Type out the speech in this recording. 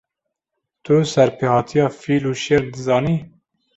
Tu serpêhatiya fîl û şêr dizanî?